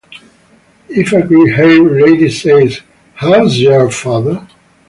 If a grey-haired lady says 'How's yer father?